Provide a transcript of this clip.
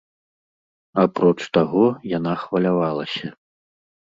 Апроч таго, яна хвалявалася.